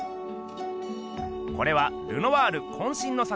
これはルノワールこんしんの作。